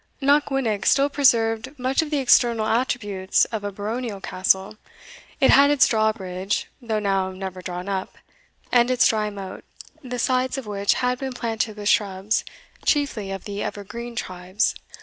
Knockwinnock still preserved much of the external attributes of a baronial castle. It had its drawbridge, though now never drawn up, and its dry moat, the sides of which had been planted with shrubs, chiefly of the evergreen tribes.